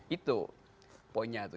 itu poinnya tuh